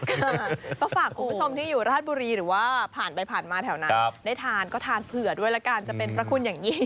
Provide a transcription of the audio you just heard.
ก็ฝากคุณผู้ชมที่อยู่ราชบุรีหรือว่าผ่านไปผ่านมาแถวนั้นได้ทานก็ทานเผื่อด้วยละกันจะเป็นพระคุณอย่างนี้